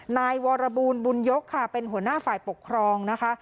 นายวรบูลบุญยกค่ะเป็นหัวหน้าฝ่ายปกครองนะคะ